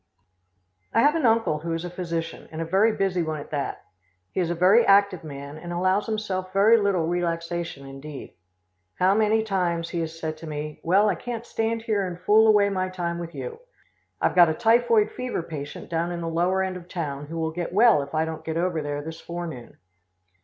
I have an uncle who is a physician, and a very busy one at that. He is a very active man, and allows himself very little relaxation indeed. How many times he has said to me, "Well, I can't stand here and fool away my time with you. I've got a typhoid fever patient down in the lower end of town who will get well if I don't get over there this forenoon."